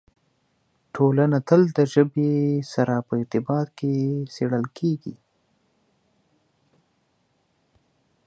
ټولنه تل د ژبې سره په ارتباط کې څېړل کېږي.